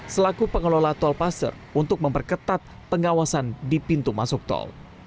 selaku pengelola tolpaster untuk memperketat pengawasan di pintu masuk tol